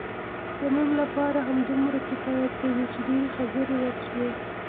د نن لپاره همدومره کفایت کوي، چې ډېرې خبرې وشوې.